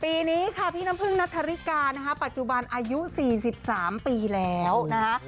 ปีนี้ค่ะพี่น้ำพึ่งนัทธริกานะคะปัจจุบันอายุ๔๓ปีแล้วนะคะ